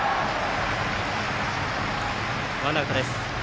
ワンアウトです。